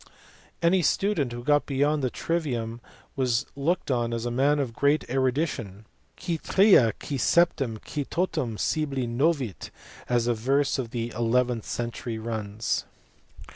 Any student who got beyond the trivium was looked on as a man of great erudition, Qui tria, qui septein. qui totum scibile novit, as a verse of the eleventh century runs.